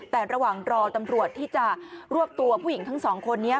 แต่ระหว่างรอตำรวจที่จะรวบตัวผู้หญิงทั้งสองคนนี้